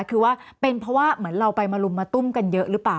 คือว่าเป็นเพราะว่าเหมือนเราไปมาลุมมาตุ้มกันเยอะหรือเปล่า